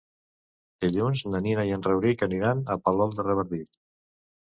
Dilluns na Nina i en Rauric aniran a Palol de Revardit.